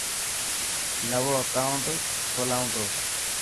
نوو اڪائوٽ کولان تو.